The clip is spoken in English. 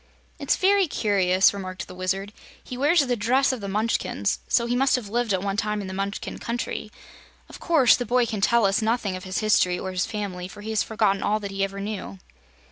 "It's very curious," remarked the Wizard. "He wears the dress of the Munchkins, so he must have lived at one time in the Munchkin Country. Of course the boy can tell us nothing of his history or his family, for he has forgotten all that he ever knew."